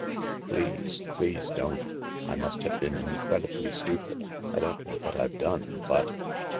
"Please, please don't. I must have been incredibly stupid — I don't know what I've done, but